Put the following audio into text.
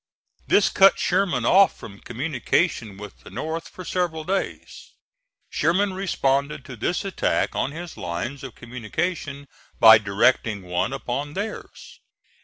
This cut Sherman off from communication with the North for several days. Sherman responded to this attack on his lines of communication by directing one upon theirs.